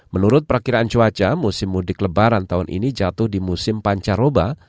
menurut perkiraan cuaca musim mudik lebaran tahun ini jatuh di musim pancaroba